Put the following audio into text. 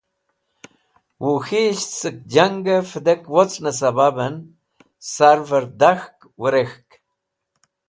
Wukhiyisht sẽk jangẽ videk wocnẽ sẽbabẽn sarvẽrdakhk wẽrekht.